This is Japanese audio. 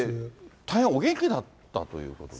大変お元気だったということで。